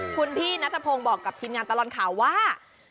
คุณพี่นัทพงศ์บอกกับทีมงานตลอดข่าวว่า